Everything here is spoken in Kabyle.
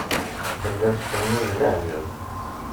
Tella tcennu d leɛǧeb.